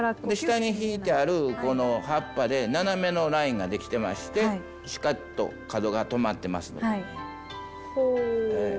で下に敷いてあるこの葉っぱで斜めのラインができてましてしかっと角が止まってますのでね。